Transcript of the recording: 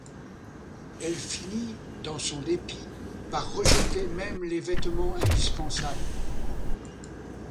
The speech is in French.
Elle finit, dans son dépit, par rejeter même les vêtements indispensables.